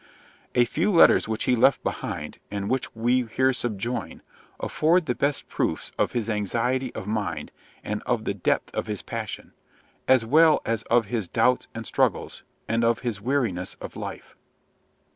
A few letters which he left behind, and which we here subjoin, afford the best proofs of his anxiety of mind and of the depth of his passion, as well as of his doubts and struggles, and of his weariness of life.